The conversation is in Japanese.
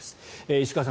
石川さん